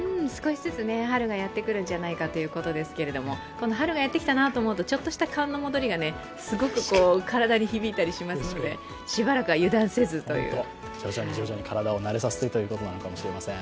少しずつ春がやってくるんじゃないかということですけどこの春がやってきたなと思うと、ちょっとした寒の戻りが体に響いたりしますのでしばらくは油断せずという。